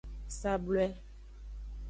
Sable.